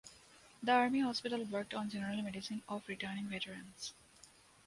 The Army hospital worked on general medicine of returning Veterans.